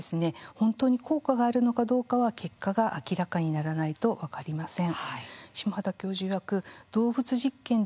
本当に効果があるのかどうかは結果が明らかにならないと分かりません。